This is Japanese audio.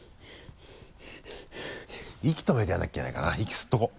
息止めてやらなきゃいけないからな息吸っとこう。